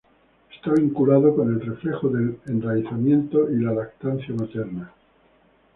Está vinculado con el reflejo del enraizamiento y la lactancia materna.